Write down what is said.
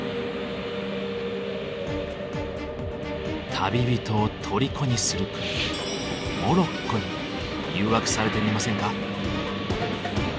旅人を虜にする国モロッコに誘惑されてみませんか。